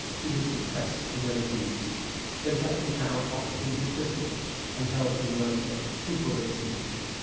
He was depressed and ill at ease. Then Captain Cowen offered him his pistols, and helped him load them two bullets in each.